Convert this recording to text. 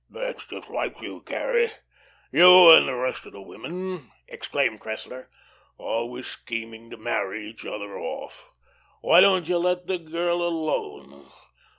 "That's just like you, Carrie you and the rest of the women," exclaimed Cressler, "always scheming to marry each other off. Why don't you let the girl alone?